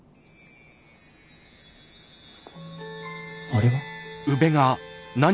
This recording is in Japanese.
あれは？